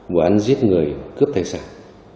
vụ án giết người cướp thái sản